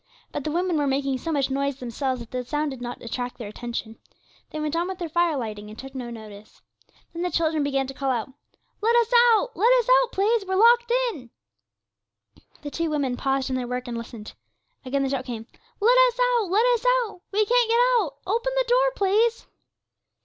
But the women were making so much noise themselves that the sound did not attract their attention; they went on with their fire lighting and took no notice. Then the children began to call out 'Let us out let us out, please; we're locked in!' The two women paused in their work and listened. Again the shout came, 'Let us out let us out; we can't get out; open the door, please.'